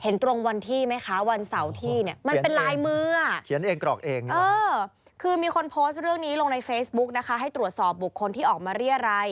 นี่ละณหน้าตาแบบนี้เลย